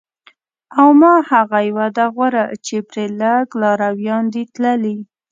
او ما هغه یوه ده غوره چې پرې لږ لارویان دي تللي